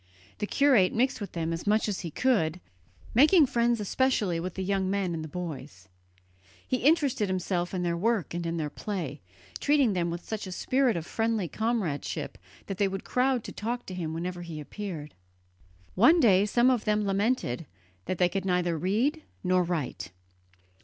The curate mixed with them as much as he could, making friends especially with the young men and the boys. He interested himself in their work and in their play, treating them with such a spirit of friendly comradeship that they would crowd to talk to him whenever he appeared. One day some of them lamented that they could neither read nor write.